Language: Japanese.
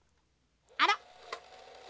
あら？